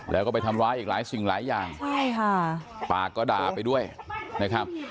แล้วก็ไปทำร้ายอีกหลายสิ่งหลายอย่างใช่ค่ะปากก็ด่าไปด้วยนะครับ